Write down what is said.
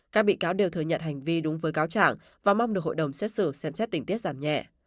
các bị cáo đều thừa nhận hành vi đúng với cáo trảng và mong được hội đồng xét xử xem xét tình tiết giảm nhẹ